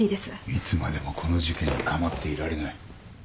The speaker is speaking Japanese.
いつまでもこの事件に構っていられない。